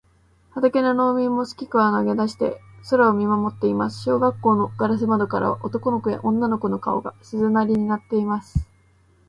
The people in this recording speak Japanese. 畑の農民もすきくわを投げだして空を見まもっています。小学校のガラス窓からは、男の子や女の子の顔が、鈴なりになっています。